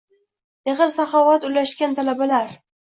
Mehr-saxovat ulashgan talabalar...